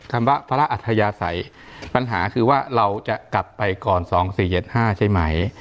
คำว่าพระราชอัธยาศัยปัญหาคือว่าเราจะกลับไปก่อน๒๔๗๕ใช่ไหม